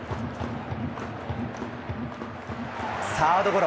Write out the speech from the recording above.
サードゴロ。